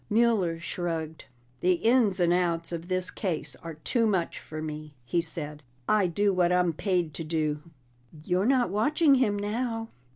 Mueller shrugged. "The ins and outs of this case are too much for me," he said. "I do what I'm paid to do." "You're not watching him now."